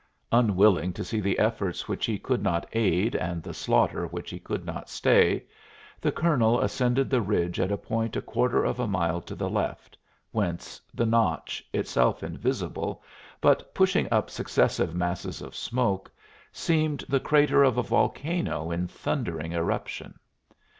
Unwilling to see the efforts which he could not aid and the slaughter which he could not stay, the colonel ascended the ridge at a point a quarter of a mile to the left, whence the Notch, itself invisible, but pushing up successive masses of smoke, seemed the crater of a volcano in thundering eruption.